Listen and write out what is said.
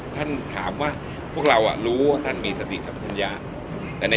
ท่านถามว่าพวกเรารู้ว่าท่านมีสติสรรพญา